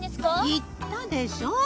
言ったでしょ。